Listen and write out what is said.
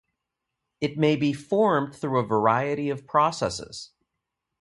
It may be formed through a variety of processes.